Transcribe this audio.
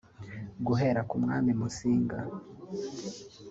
guhera ku mwami Musinga